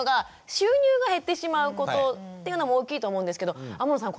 収入が減ってしまうことっていうのも大きいと思うんですけど天野さん